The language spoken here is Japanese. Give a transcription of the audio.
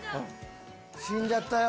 死んじゃったよ。